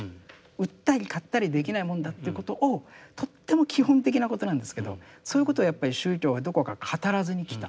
売ったり買ったりできないもんだということをとっても基本的なことなんですけどそういうことをやっぱり宗教はどこか語らずにきた。